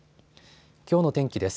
きょうの天気です。